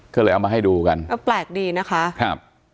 ก็เลยเอามาให้ดูกันเออแปลกดีนะคะครับ